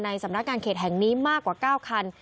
สำนักงานเขตแห่งนี้มากกว่า๙คัน